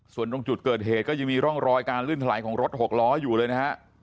ส่วนตรงจุดเกิดเหตุก็ยังมีร่องรอยการลื่นถลายของรถหกล้ออยู่เลยนะฮะ